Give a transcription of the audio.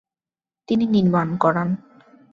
তিনি নির্মাণ করান।